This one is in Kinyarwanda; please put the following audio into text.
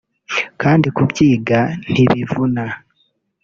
kandi kubyiga ntibivuna